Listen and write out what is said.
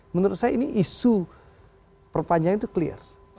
menurut saya ini isu perpanjangan itu clear